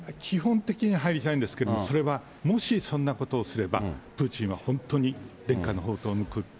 基本的に入りたいんですけれども、それはもしそんなことをすれば、プーチンは本当に伝家の宝刀を抜く。